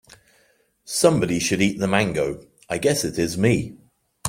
Somebody should eat the mango, I guess it is me.